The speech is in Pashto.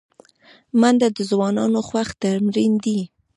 منډه د ځوانانو خوښ تمرین دی